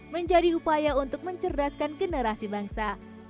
menjadi upaya untuk mencerdaskan generasi bangsa